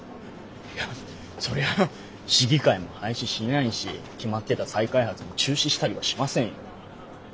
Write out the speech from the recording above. いやそりゃ市議会も廃止しないし決まってた再開発も中止したりはしませんよ。